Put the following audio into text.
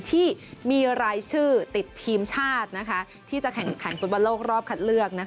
ที่มีรายชื่อติดทีมชาติที่จะแข่งขันฟุตบอลโลกรอบคัดเลือก